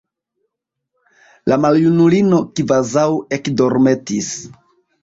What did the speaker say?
La maljunulino kvazaŭ ekdormetis.